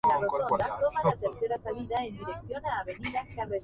La mayoría de las muestras provienen de la Italia centromeridional.